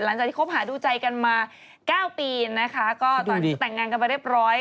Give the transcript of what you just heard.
หลังจากที่คบหาดูใจกันมาเก้าปีนะคะก็ตอนนี้แต่งงานกันไปเรียบร้อย